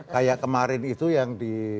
kayak kemarin itu yang di